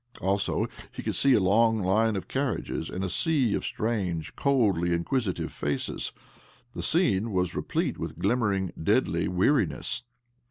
Also, he could see a long line of carriages and a sea of strange, coldly inquisitive faces. The scene was replete with glimmering, deadly weariness.